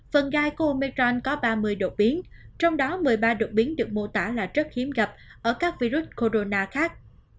phần gai của omicron có ba mươi đột biến trong đó một mươi ba đột biến được mô tả là rất hiếm gặp ở các virus corona khác